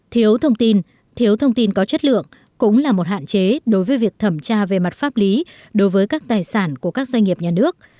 thiếu thông tin thiếu thông tin có chất lượng cũng là một hạn chế đối với việc thẩm tra về mặt pháp lý đối với các tài sản của các doanh nghiệp nhà nước